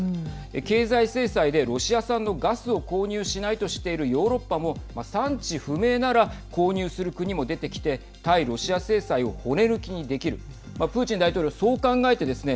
経済制裁でロシア産のガスを購入しないとしているヨーロッパも産地不明なら購入する国も出てきて対ロシア制裁を骨抜きにできるプーチン大統領はそう考えてですね